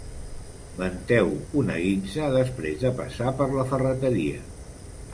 Venteu una guitza després de passar per la ferreteria.